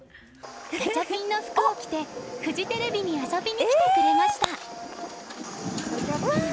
ガチャピンの服を着てフジテレビに遊びに来てくれました！